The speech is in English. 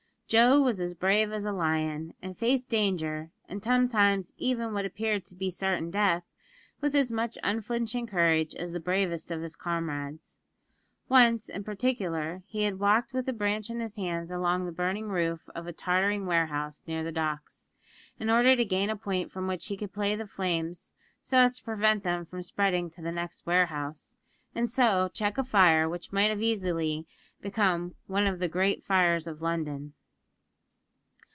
Joe was as brave as a lion, and faced danger, and sometimes even what appeared to be certain death, with as much unflinching courage as the bravest of his comrades. Once, in particular, he had walked with the branch in his hands along the burning roof of a tottering warehouse, near the docks, in order to gain a point from which he could play on the flames so as to prevent them spreading to the next warehouse, and so check a fire which might have easily become one of the "great fires of London."